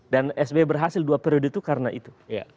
dan sbe berhasil dua periode itu karena itu